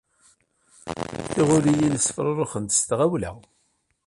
Tiɣuliyin ttefruruxent s tɣawla.